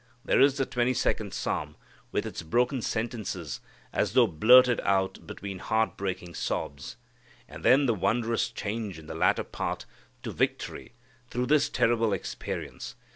There is the Twenty second Psalm, with its broken sentences, as though blurted out between heart breaking sobs; and then the wondrous change, in the latter part, to victory through this terrible experience.